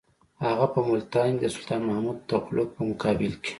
هغه په ملتان کې د سلطان محمد تغلق په مقابل کې.